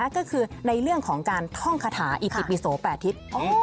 ก็คือในเรื่องของการท่องคาถาอิติปิโส๘ทิศ